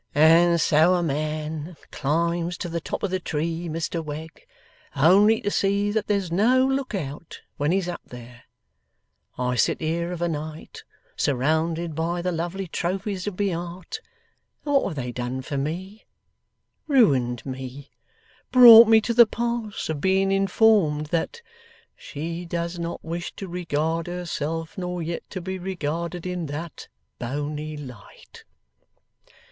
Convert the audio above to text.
'And so a man climbs to the top of the tree, Mr Wegg, only to see that there's no look out when he's up there! I sit here of a night surrounded by the lovely trophies of my art, and what have they done for me? Ruined me. Brought me to the pass of being informed that "she does not wish to regard herself, nor yet to be regarded, in that boney light"!